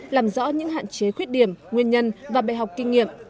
làm rõ những hạn chế khuyết điểm nguyên nhân và bài học kinh nghiệm